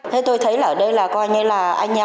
thế tôi thấy ở đây là coi như là anh em